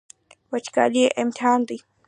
وچکالي امتحان دی.